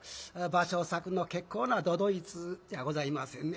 芭蕉作の結構な都々逸じゃございませんね